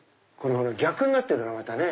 逆になってるのがまたね。